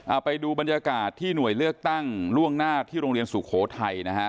เอาไปดูบรรยากาศที่หน่วยเลือกตั้งล่วงหน้าที่โรงเรียนสุโขทัยนะฮะ